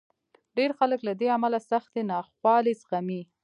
ډېر خلک له دې امله سختې ناخوالې زغمي.